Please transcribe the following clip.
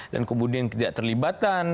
dan kemudian tidak terlibatan